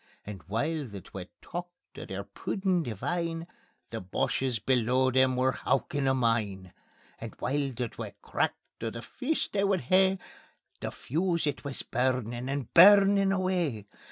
And while the twa talked o' their puddin' divine The Boches below them were howkin' a mine. And while the twa cracked o' the feast they would hae, The fuse it wis burnin' and burnin' away.